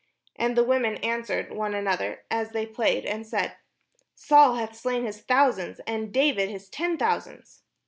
And the women answered one another as they played, and said, "Saul hath slain his thousands, and David his ten thousands."